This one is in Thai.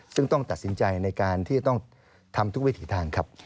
ซึ่งต้องตัดสินใจในการที่ต้องทำทุกวิถีทางครับ